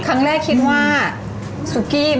ครั้งแรกคิดว่าซุกคี้มันน่ะ